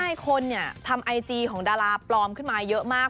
ใช่คนเนี่ยทำไอจีของดาราปลอมขึ้นมาเยอะมาก